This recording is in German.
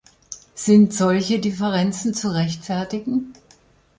Sind solche Differenzen zu rechtfertigen?